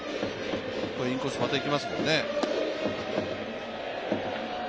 インコース、またいきますけどね。